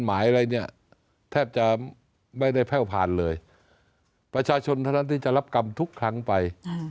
หมายอะไรเนี่ยแทบจะไม่ได้แพ่วผ่านเลยประชาชนเท่านั้นที่จะรับกรรมทุกครั้งไป